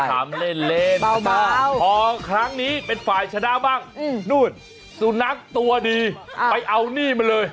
ถามเล่นพอครั้งนี้เป็นฝ่ายชนะบ้างนู่นสุนัขตัวดีไปเอานี่มาเลย